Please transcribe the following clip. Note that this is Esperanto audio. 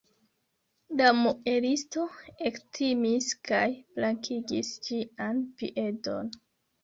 La muelisto ektimis kaj blankigis ĝian piedon.